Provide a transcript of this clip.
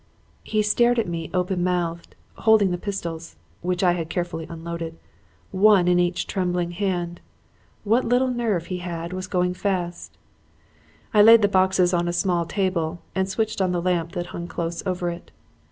"He stared at me open mouthed, holding the pistols which I had carefully unloaded one in each trembling hand. What little nerve he had had was going fast. "I laid the boxes on a small table and switched on the lamp that hung close over it.